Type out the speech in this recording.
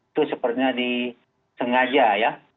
itu sepertinya disengaja ya